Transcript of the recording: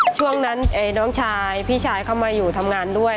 ช่วงนั้นน้องชายพี่ชายเข้ามาอยู่ทำงานด้วย